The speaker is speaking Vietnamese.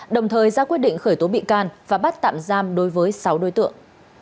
đồng thời ra quyết định khởi tố bị can và bắt tạm giam đối với sáu đối tượng